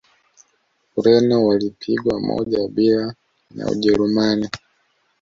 ureno walipigwa moja bila na wajerumani